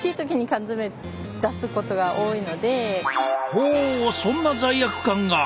ほうそんな罪悪感が。